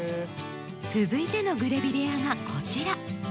続いてのグレビレアがこちら。